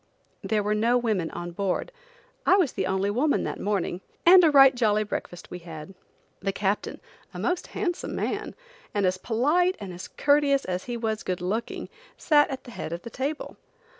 There were no women on board. I was the only woman that morning, and a right jolly breakfast we had. The captain, a most handsome man, and as polite and courteous as he was good looking, sat at the head of the table.